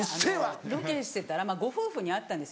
ロケしてたらご夫婦に会ったんです